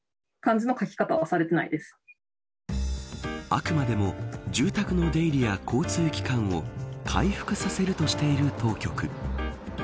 あくまでも住宅の出入りや、交通機関を回復させるとしている当局。